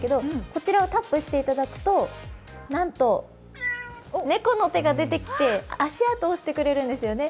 こちらをタップしていただくとなんと猫の手が出てきて足跡を押してくれるんですよね。